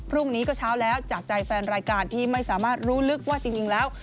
พรุ่งนี้ก็เช้าแล้วจากใจแฟนรายการที่ไม่สามารถรู้ลึกว่าจริงแล้ว